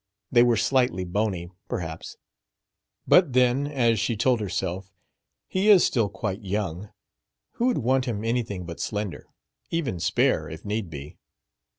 They were slightly bony, perhaps; "but then," as she told herself, "he is still quite young. Who would want him anything but slender? even spare, if need be."